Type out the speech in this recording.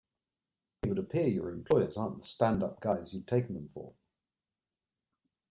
It would appear your employers aren't the stand up guys you'd taken them for.